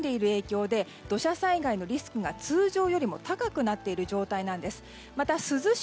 地震で地盤が緩んでいる影響で土砂災害のリスクが通常よりも高くなっている状態なんです。